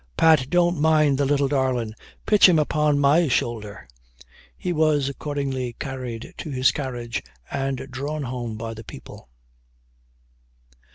Pat, don't mind the little darlin'; pitch him upon my shoulder." He was, accordingly, carried to his carriage, and drawn home by the people.